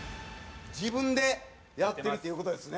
自分でやってるっていう事ですね。